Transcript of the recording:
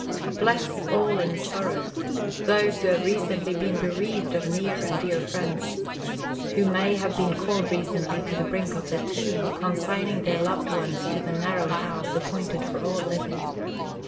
Bless all in sorrow; those who have recently been bereaved of near and dear friends, who may have been called recently to the brink of the tomb, consigning their loved ones to the narrow house appointed for all living.